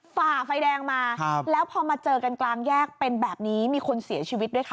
ฝ่าไฟแดงมาแล้วพอมาเจอกันกลางแยกเป็นแบบนี้มีคนเสียชีวิตด้วยค่ะ